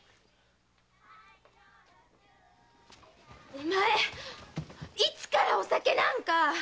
お前いつからお酒なんか！